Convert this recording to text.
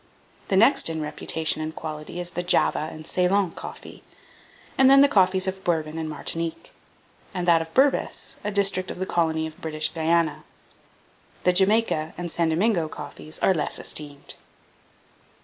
The next in reputation and quality is the Java and Ceylon coffee, and then the coffees of Bourbon and Martinique, and that of Berbice, a district of the colony of British Guiana. The Jamaica and St. Domingo coffees are less esteemed.